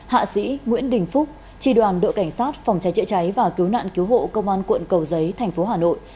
hạ sĩ nguyễn đình phúc tri đoàn đội cảnh sát phòng cháy chữa cháy và cứu nạn cứu hộ công an quận cầu giấy thành phố hà nội